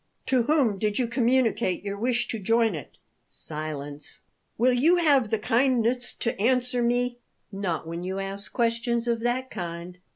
To whom did you communicate your wish to join it?" Silence. "Will you have the kindness to answer me?" "Not when you ask questions of that kind."